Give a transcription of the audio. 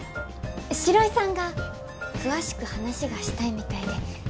城井さんが詳しく話がしたいみたいで。